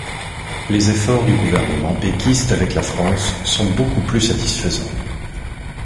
Les efforts du gouvernement péquiste avec la France sont beaucoup plus satisfaisants.